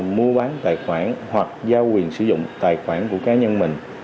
mua bán tài khoản hoặc giao quyền sử dụng tài khoản của cá nhân mình